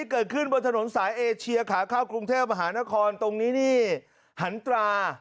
เกิดขึ้นบนถนนสายเอเชียขาเข้ากรุงเทพมหานครตรงนี้นี่หันตรา